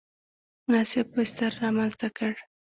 مناسب بستر رامنځته کړ.